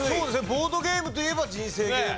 ボードゲームといえば人生ゲームぐらいの。